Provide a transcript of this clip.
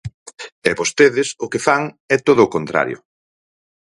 E vostedes o que fan é todo o contrario.